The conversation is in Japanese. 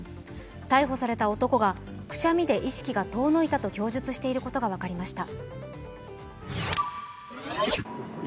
逮捕された男が、くしゃみで意識が遠のいたと供述していることが分かりました。